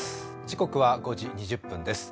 時刻は５時２０分です。